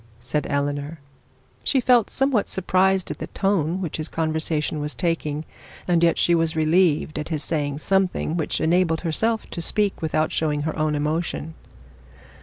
said Eleanor. She felt somewhat surprised at the tone which this conversation was taking, and yet she was quite relieved at his saying something which enabled herself to speak without showing any emotion.